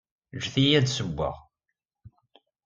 Ǧǧet-iyi ad d-ssewweɣ.